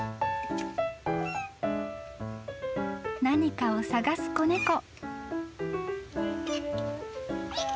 ［何かを探す子猫］